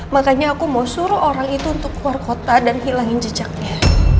makanya aku mau suruh orang itu untuk keluar kota dan hilangin jejaknya